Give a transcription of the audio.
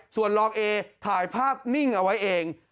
ส่วนรองเอถ่ายภาพนิ่งเอาไว้เอง